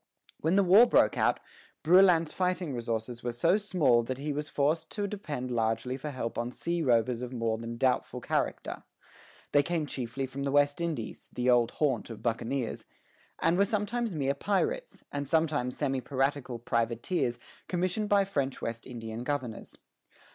When the war broke out, Brouillan's fighting resources were so small that he was forced to depend largely for help on sea rovers of more than doubtful character. They came chiefly from the West Indies, the old haunt of buccaneers, and were sometimes mere pirates, and sometimes semi piratical privateers commissioned by French West Indian governors.